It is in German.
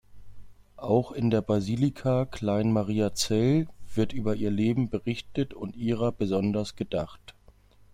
Auch in der Basilika Klein-Mariazell wird über ihr Leben berichtet und ihrer besonders gedacht.